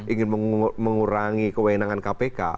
ingin mengurangi kewenangan kpk